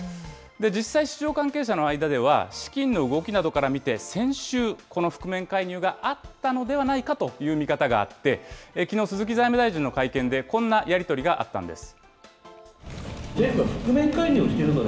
実際、市場関係者の間では、資金の動きなどから見て、先週、この覆面介入があったのではないかという見方があって、きのう、鈴木財務大臣の会見で、こんなやり取りがあったんです。